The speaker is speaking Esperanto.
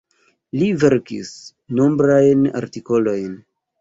Li verkis nombrajn artikolojn.